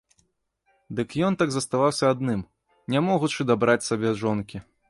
Дык ён так заставаўся адным, не могучы дабраць сабе жонкі.